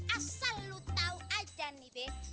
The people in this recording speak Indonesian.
asal lu tahu aja nih be